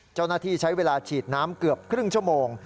เจ้าหน้าที่ใช้เวลาฉีดน้ำเกือบครึ่งชั่วโมง